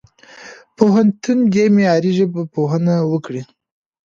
پوهنتون دي معیاري ژبپوهنه وکړي.